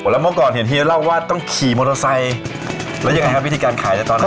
แล้วเมื่อก่อนเห็นเฮียเล่าว่าต้องขี่มอเตอร์ไซค์แล้วยังไงครับวิธีการขายในตอนนั้น